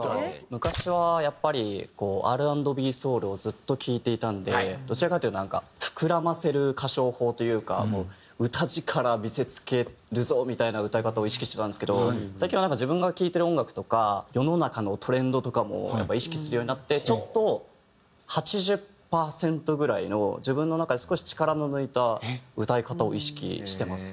昔はやっぱりＲ＆Ｂソウルをずっと聴いていたんでどちらかというとなんか膨らませる歌唱法というか歌力見せ付けるぞみたいな歌い方を意識してたんですけど最近はなんか自分が聴いてる音楽とか世の中のトレンドとかも意識するようになってちょっと８０パーセントぐらいの自分の中で少し力の抜いた歌い方を意識してます。